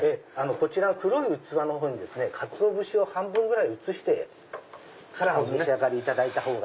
こちらの黒い器にかつお節を半分ぐらい移してからお召し上がりいただいた方が。